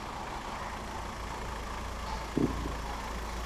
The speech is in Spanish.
Otras calles destacadas son Padre Claret, Tudela y Veinte Metros.